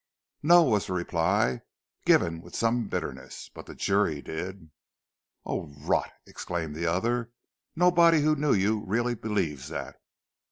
"No," was the reply, given with some bitterness, "but the jury did." "Oh rot!" exclaimed the other. "Nobody who knew you really believes that."